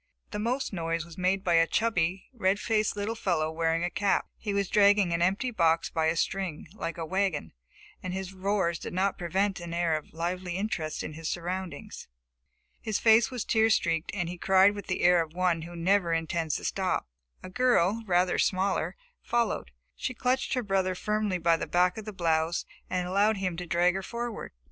The most noise was made by a chubby, red faced little fellow wearing a cap. He was dragging an empty box by a string, like a little wagon, and his roars did not prevent an air of lively interest in his surroundings. His face was tear streaked, and he cried with the air of one who never intends to stop. A girl, rather smaller, followed. She clutched her brother firmly by the back of the blouse and allowed him to drag her forward.